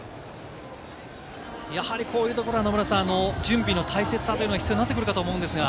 やはりこういうところは準備の大切さというのが必要になってくると思うんですが。